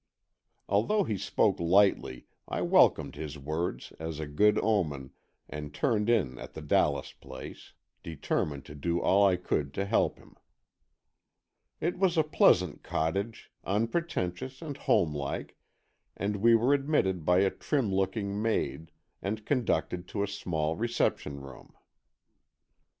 Although he spoke lightly I welcomed his words as a good omen and turned in at the Dallas place, determined to do all I could to help him. It was a pleasant cottage, unpretentious and homelike, and we were admitted by a trim looking maid, and conducted to a small reception room.